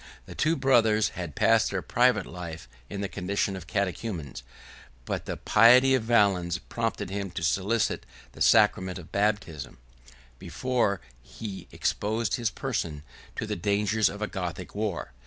The two brothers had passed their private life in the condition of catechumens; but the piety of Valens prompted him to solicit the sacrament of baptism, before he exposed his person to the dangers of a Gothic war.